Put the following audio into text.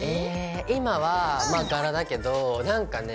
今は柄だけどなんかね